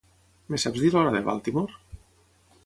Em saps dir l'hora de Baltimore?